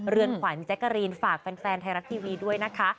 เรือนขวัญแจ๊กกะรีนฝากแฟนไทยรัฐทีวีด้วยนะคะ